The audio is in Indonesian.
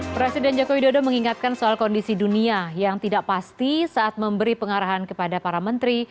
presiden jokowi dodo mengingatkan soal kondisi dunia yang tidak pasti saat memberi pengarahan kepada para menteri